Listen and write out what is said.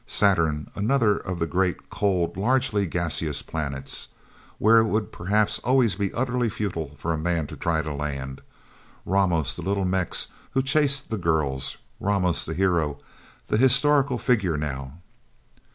Saturn another of the great, cold, largely gaseous planets, where it would perhaps always be utterly futile for a man to try to land... Ramos, the little Mex who chased the girls. Ramos, the hero, the historical figure, now...